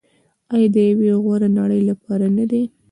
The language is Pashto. آیا د یوې غوره نړۍ لپاره نه دی؟